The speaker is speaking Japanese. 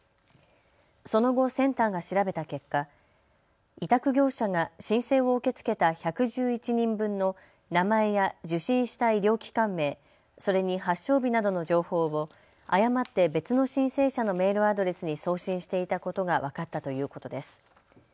その後、センターが調べた結果、委託業者が申請を受け付けた１１１人分の名前や受診した医療機関名、それに発症日などの情報を誤って別の申請者のメールアドレスに送信していたことが分かったということです。